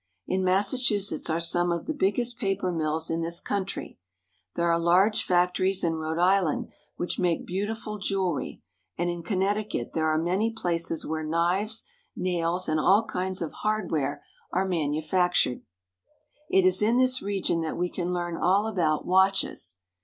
In Massachusetts are some of the biggest paper mills in this country. There are large factories in Rhode Island which make beautiful jewelry, and in Connecticut there are many places where knives, nails, and all kinds of hardware are manufactured. It is in this region that we can learn all about watches.